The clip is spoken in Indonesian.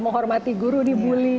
menghormati guru di bully